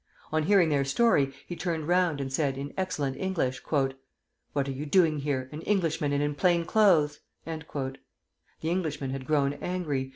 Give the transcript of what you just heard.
On hearing their story, he turned round, and said, in excellent English, "What are you doing here, an Englishman and in plain clothes?" The Englishman had grown angry.